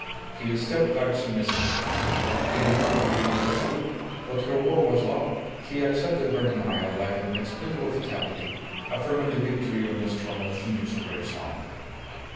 He stepped back submissively. He did not believe Mrs. Gould. But her word was law. He accepted her denial like an inexplicable fatality affirming the victory of Nostromo's genius over his own.